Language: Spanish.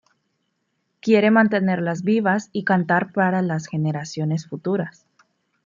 Quiere mantenerlas vivas y cantar para las generaciones futuras.